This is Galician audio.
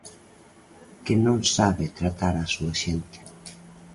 Que non sabe tratar a súa xente.